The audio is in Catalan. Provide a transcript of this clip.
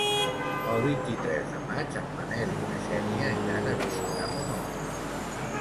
El vint-i-tres de maig en Manel i na Xènia iran a visitar mon oncle.